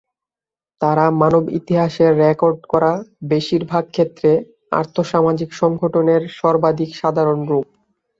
তারা মানব ইতিহাসের রেকর্ড করা বেশিরভাগ ক্ষেত্রে আর্থ-সামাজিক সংগঠনের সর্বাধিক সাধারণ রূপ।